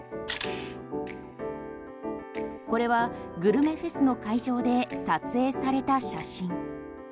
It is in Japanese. これはグルメフェスの会場で撮影された写真。